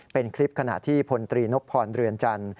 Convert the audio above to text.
เป็นคลิปขณะที่พลตรีนพพรเรือนจันทร์